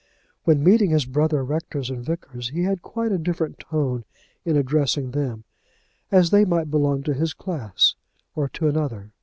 When meeting his brother rectors and vicars, he had quite a different tone in addressing them, as they might belong to his class, or to another.